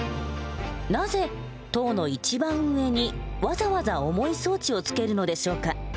なぜ塔の一番上にわざわざ重い装置を付けるのでしょうか？